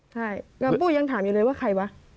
ใช่พูดยังถามอยู่เลยว่าใครวะ